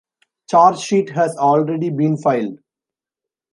Charge sheet has already been filed.